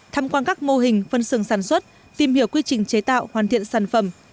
tham quan các mô hình phân xưởng sản xuất tìm hiểu quy trình chế tạo hoàn thiện sản phẩm